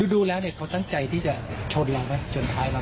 อ๋อดูแล้วเนี่ยเขาตั้งใจที่จะชนแล้วไหมจนท้ายแล้ว